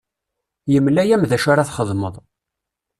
Yemla-am d acu ara txedmeḍ.